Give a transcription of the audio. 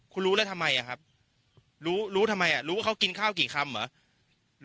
คุณรู้แล้วทำไมครับรู้ทำไมรู้ว่าเขากินข้าวกี่คำเหรอ